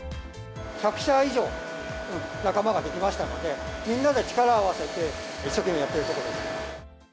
１００社以上、仲間が出来ましたので、みんなで力を合わせて、一生懸命やってるところです。